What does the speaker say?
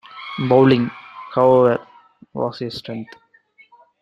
Bowling, however, was his strength.